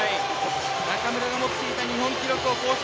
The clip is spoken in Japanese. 中村が持っていた日本記録を更新。